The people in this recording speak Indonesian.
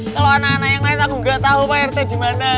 kalau anak anak yang lain aku nggak tahu pak rt gimana